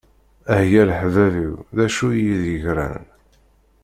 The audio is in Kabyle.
Ah ya leḥbab-iw d acu d iyi-d-yeggran.